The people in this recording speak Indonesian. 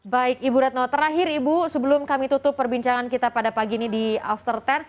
baik ibu retno terakhir ibu sebelum kami tutup perbincangan kita pada pagi ini di after sepuluh